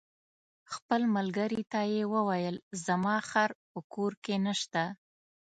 خپل ملګري ته یې وویل: زما خر په کور کې نشته.